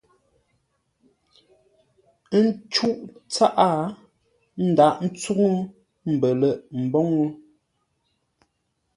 Ə́ ncûʼ tsaʼá ńdaghʼ ńtsuŋu mbələ̂ghʼ mboŋə́.